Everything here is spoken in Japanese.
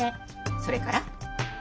それから？